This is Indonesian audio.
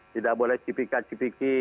tidak boleh cipika cipiki